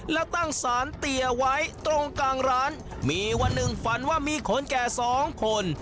แล้วตั้งสารเตียไว้ตรงกลางร้านมีวันหนึ่งฝันว่ามีคนแก่สองคน